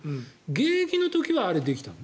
現役の時はあれできたの？